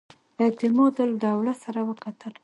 اعتمادالدوله سره وکتل.